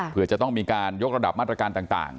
เพื่อจะต้องมีการยกระดับมาตรการต่าง